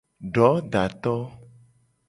Dodato.